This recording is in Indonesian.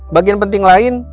bagian penting lain